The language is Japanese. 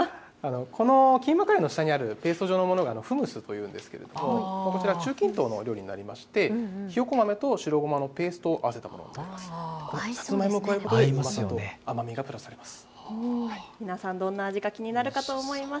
このキーマカレーの下にあるペースト状のものがフムスというんですけれどもこちら中近東の料理になりましてひよこ豆と白ごまのペーストを合わせています。